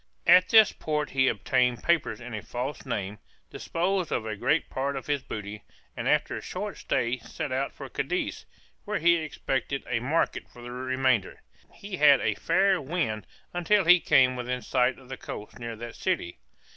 At this port he obtained papers in a false name, disposed of a great part of his booty, and after a short stay set out for Cadiz, where he expected a market for the remainder. He had a fair wind until he came within sight of the coast near that city.